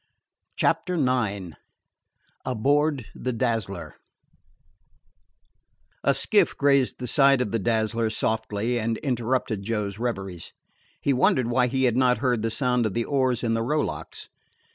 CHAPTER IX ABOARD THE DAZZLER A skiff grazed the side of the Dazzler softly and interrupted Joe's reveries. He wondered why he had not heard the sound of the oars in the rowlocks.